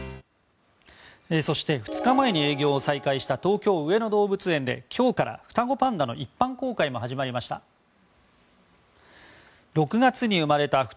そして２日前に営業を再開した東京・上野動物園で今日から双子パンダの一般公開も始まりました。